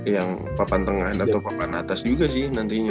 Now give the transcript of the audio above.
yang papan tengah atau papan atas juga sih nantinya